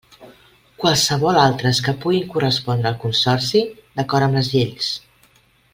Qualssevol altres que puguin correspondre al Consorci, d'acord amb les lleis.